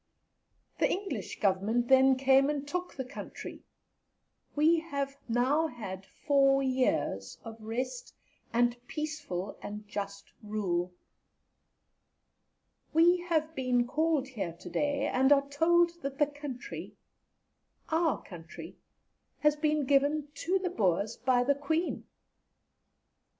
The English Government then came and took the country; we have now had four years of rest, and peaceful and just rule. We have been called here to day, and are told that the country, our country, has been given to the Boers by the Queen.